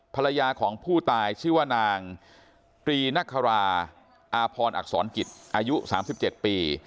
ภรรยาของผู้ตายชื่อว่านางตรีนักคาราอาพรอักษรกิจอายุ๓๗ปี